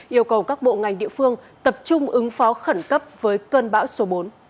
yêu cầu các bộ ngành địa phương tập trung ứng phó khẩn cấp với cơn bão số bốn